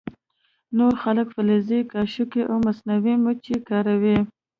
نور خلک فلزي قاشقې او مصنوعي مچۍ کاروي